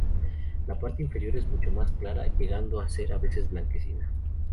La parte inferior es mucho más clara llegando a ser a veces blanquecina.